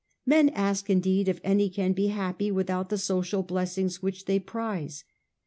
Men ask indeed if any can be happy without the social blessings which they prize.